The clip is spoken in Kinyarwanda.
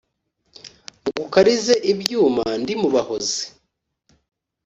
ngukarize ibyuma ndi mu bahozi.